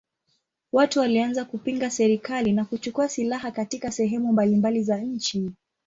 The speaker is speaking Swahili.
Watu walianza kupinga serikali na kuchukua silaha katika sehemu mbalimbali za nchi.